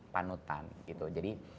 panutan gitu jadi